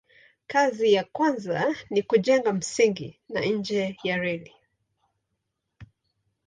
Kazi ya kwanza ni kujenga msingi wa njia ya reli.